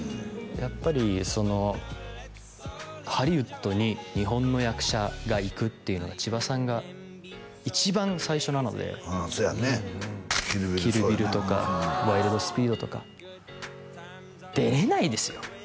やっぱりハリウッドに日本の役者が行くっていうのが千葉さんが一番最初なのでうんそうやね「キル・ビル」そうやね「キル・ビル」とか「ワイルド・スピード」とか出れないですよ